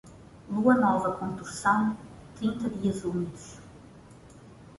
Lua nova com torção, trinta dias úmidos.